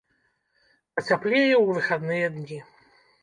Пацяплее ў выхадныя дні.